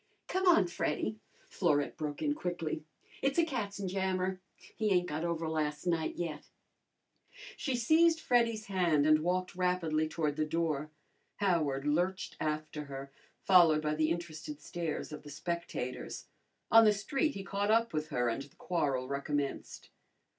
"Come on, Freddy," Florette broke in quickly. "It's a katzenjammer. He ain't got over last night yet." She seized Freddy's hand and walked rapidly toward the door. Howard lurched after her, followed by the interested stares of the spectators. On the street he caught up with her and the quarrel recommenced.